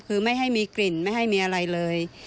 คือไม่ให้มีกลิ่นไม่ให้มีอะไรเลย